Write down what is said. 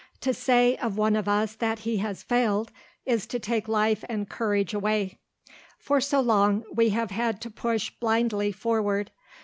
To say of one of us that he has failed is to take life and courage away. For so long we have had to push blindly forward.